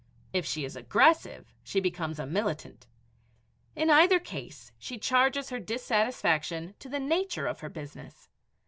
If she is aggressive, she becomes a militant. In either case, she charges her dissatisfaction to the nature of her business.